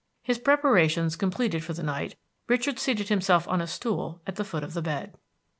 His preparations completed for the night, Richard seated himself on a stool at the foot of the bed.